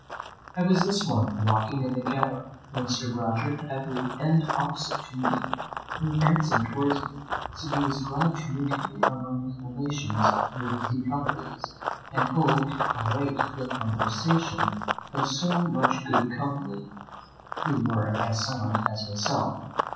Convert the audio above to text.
I was this morning walking in the gallery when Sir Roger entered at the end opposite to me, and advancing towards me, said he was glad to meet me among his relations the De Coverleys, and hoped I liked the conversation of so much good company, who were as silent as myself.